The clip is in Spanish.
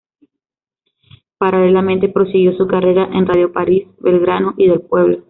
Paralelamente prosiguió su carrera en Radio París, Belgrano y del Pueblo.